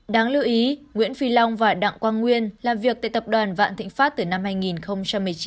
đáng lưu ý nguyễn phi long và đặng quang nguyên làm việc tại tập đoàn vạn thịnh pháp từ năm hai nghìn một mươi chín